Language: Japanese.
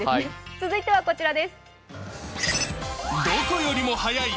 続いてはこちらです。